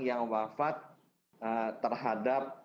yang wafat terhadap